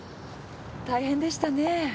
大変でしたね。